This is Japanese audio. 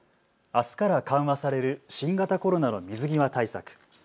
あすから緩和される新型コロナの水際対策。